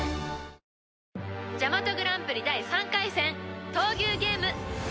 ジャマトグランプリ第３回戦闘牛ゲーム